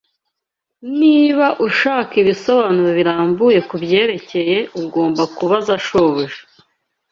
Niba ushaka ibisobanuro birambuye kubyerekeye, ugomba kubaza shobuja.